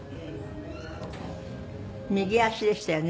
右足でしたよね？